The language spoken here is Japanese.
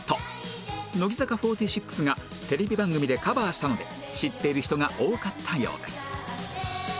乃木坂４６がテレビ番組でカバーしたので知っている人が多かったようです